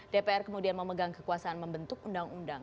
dpr kemudian memegang kekuasaan membentuk undang undang